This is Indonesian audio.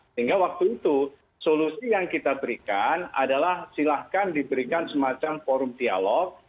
sehingga waktu itu solusi yang kita berikan adalah silahkan diberikan semacam forum dialog